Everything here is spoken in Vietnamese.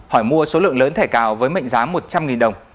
hỏi mua số lượng lớn thẻ cào với mệnh giá một trăm linh đồng